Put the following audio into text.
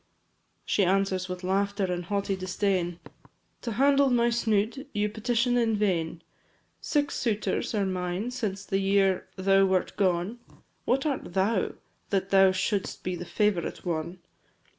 V. She answers with laughter and haughty disdain "To handle my snood you petition in vain; Six suitors are mine since the year thou wert gone, What art thou, that thou should'st be the favourite one?